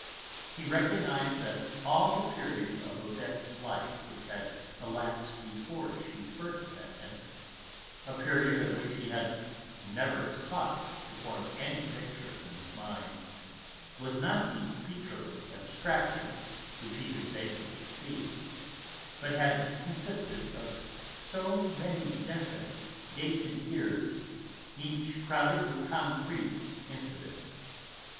He recognised that all the period of Odette's life which had elapsed before she first met him, a period of which he had never sought to form any picture in his mind, was not the featureless abstraction which he could vaguely see, but had consisted of so many definite, dated years, each crowded with concrete incidents.